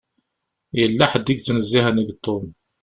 Yella ḥedd i yettnezzihen deg Tom.